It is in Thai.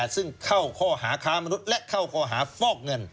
ซึ่งเข้าข้อหาค้ามนุษย์และเข้าข้อหาฟอกเงิน